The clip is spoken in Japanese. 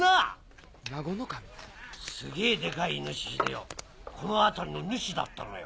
すげぇデカい猪でよこの辺りの主だったのよ。